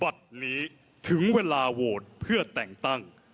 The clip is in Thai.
วันนี้ถึงเวลาโหวตเพื่อแต่งตั้ง